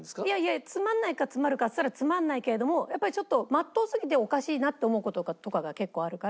つまんないかつまるかっつったらつまんないけれどもやっぱりちょっとまっとうすぎておかしいなって思う事とかが結構あるから。